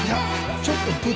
ちょっと。